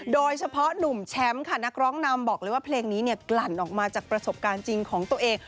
โดยเฉพาะหนุ่มแชมป์ค่ะนักร้องนำบอกเลยว่าเพลงนี้กลั่นออกมาจากประสบการณ์จริงของตัวเอง